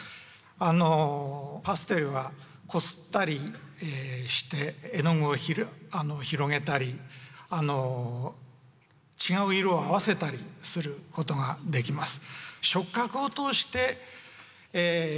あのパステルはこすったりして絵の具を広げたり違う色を合わせたりすることができます。